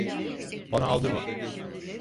Bana aldırma.